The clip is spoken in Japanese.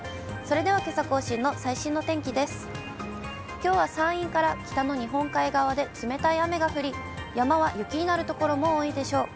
きょうは山陰から北の日本海側で冷たい雨が降り、山は雪になる所も多いでしょう。